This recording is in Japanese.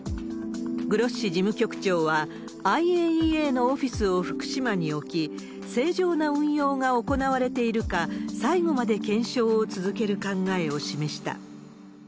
グロッシ事務局長はＩＡＥＡのオフィスを福島に置き、正常な運用が行われているか、最後まで検証を続ける考えを示した。